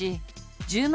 １０万